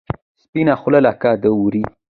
سپینه خوله لکه د ورې.